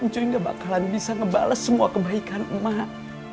cuy gak bakalan bisa ngebales semua kebaikan mak